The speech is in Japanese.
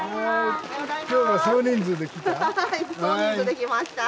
今日は少人数で来た？